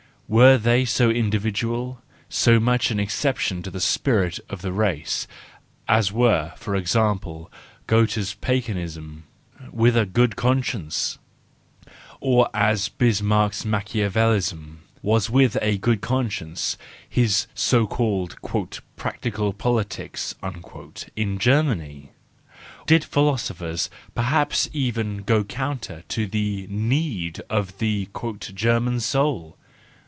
Were they so individual, so much an exception to the spirit of the race, as was, for example, Goethe's Paganism with a good con¬ science ? Or as Bismarck's Macchiavelism was with a good conscience, his so called " practical politics " in Germany ? Did our philosophers perhaps even go counter to the need of the " German soul